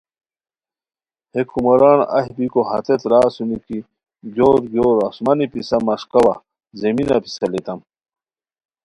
ہے کوموران اہی بیکو ہتیت را اسونی کی گیور گیور آسمانی پِسہ مݰکاوا زمینہ پِسہ لیتام